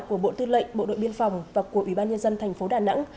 của bộ tư lệnh bộ đội biên phòng và của ủy ban nhân dân tp đà nẵng